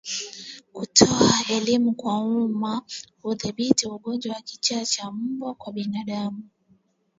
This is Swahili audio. Kutoa elimu kwa umma hudhibiti ugonjwa wa kichaa cha mbwa kwa binadamu